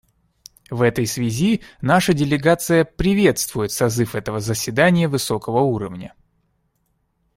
В этой связи наша делегация приветствует созыв этого заседания высокого уровня.